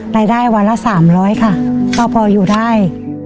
รายได้วันละ๓๐๐ค่ะก็พออยู่ได้